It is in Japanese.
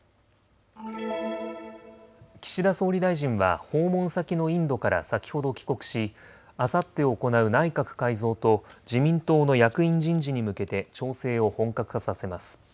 岸田総理大臣は訪問先のインドから先ほど帰国し、あさって行う内閣改造と自民党の役員人事に向けて調整を本格化させます。